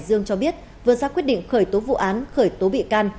dương cho biết vừa ra quyết định khởi tố vụ án khởi tố bị can